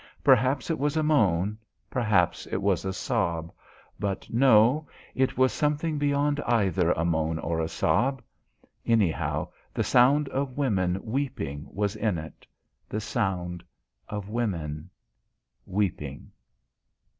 Perhaps it was a moan, perhaps it was a sob but no, it was something beyond either a moan or a sob. Anyhow, the sound of women weeping was in it. The sound of women weeping.